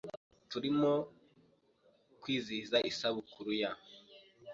Turimo kwizihiza isabukuru ya .